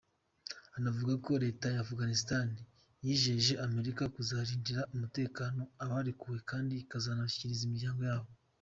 Anavuga ko Leta ya Afghanistan yijeje Amerika kuzarindira umutekano abarekuwe, kandi ikazanabashyikiriza imiryango yabo.